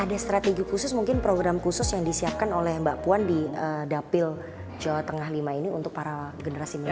ada strategi khusus mungkin program khusus yang disiapkan oleh mbak puan di dapil jawa tengah v ini untuk para generasi mileni